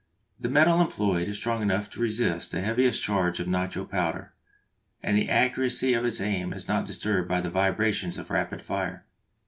The metal employed is strong enough to resist the heaviest charge of nitro powder, and the accuracy of its aim is not disturbed by the vibrations of rapid fire.